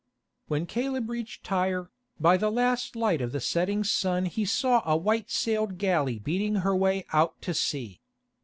_ When Caleb reached Tyre, by the last light of the setting sun he saw a white sailed galley beating her way out to sea.